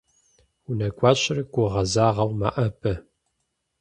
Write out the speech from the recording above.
Унэгуащэр гугъэзагъэу мэӀэбэ.